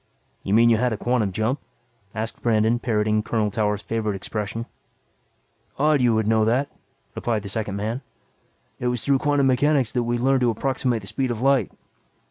"You mean you had a quantum jump?" asked Brandon parroting Colonel Towers' favorite expression. "Odd you would know that," replied the second man. "It was through quantum mechanics that we learned to approximate the speed of light.